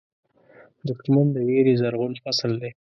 دښمن د وېرې زرغون فصل دی